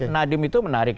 nadiem itu menarik